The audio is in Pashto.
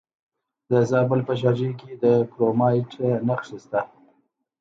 د زابل په شاجوی کې د کرومایټ نښې شته.